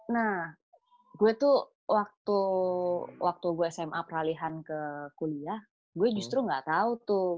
nah gue tuh waktu gue sma peralihan ke kuliah gue justru nggak tahu tuh